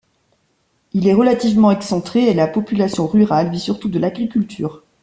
Il est relativement excentré et la population rurale vit surtout de l'agriculture.